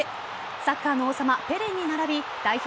サッカーの王様・ペレに並び代表